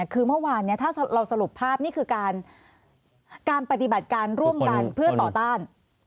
คือเมื่อวานถ้าเราสรุปภาพนี่คือการปฏิบัติการร่วมกันเพื่อต่อต้าน